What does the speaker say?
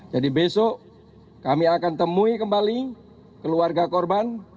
jadi besok kami akan temui kembali keluarga korban